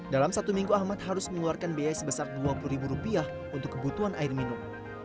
dalam satu minggu ahmad harus mengeluarkan biaya sebesar dua puluh ribu rupiah untuk kebutuhan air minum